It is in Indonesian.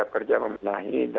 yang terakhir pak sandi dari saya